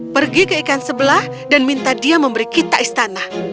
pergi ke ikan sebelah dan minta dia memberi kita istana